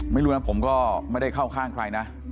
ไม่รู้นะผมก็ไม่ได้เข้าข้างใครนะ